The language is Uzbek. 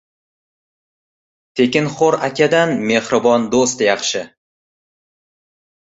• Tekinxo‘r akadan mehribon do‘st yaxshi.